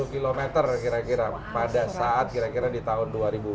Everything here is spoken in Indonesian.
satu ratus sepuluh km kira kira pada saat kira kira di tahun dua ribu dua puluh lima